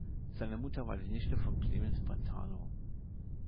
Seine Mutter war die Nichte von Clemens Brentano.